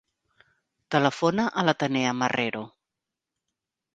Telefona a l'Atenea Marrero.